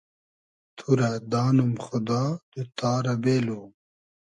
تو رۂ دانوم خودا دوتتا رۂ بېلو